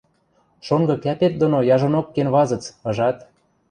Шонгы кӓпет доно яжонок кенвазыц, ыжат...